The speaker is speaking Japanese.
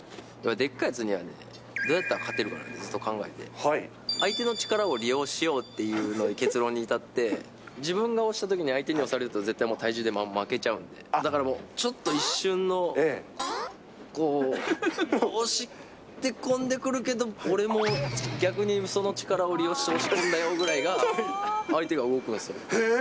でっかいやつにはどうやったら勝てるかなと考えて、相手の力を利用しようっていう結論に至って、自分が押したときに相手に押されると、絶対もう体重で負けちゃうんで、だからもう、ちょっと一瞬の、こう、押し込んでくるけど、俺も逆にその力を利用して押し込んだぐらいが、相手が動くんですよ。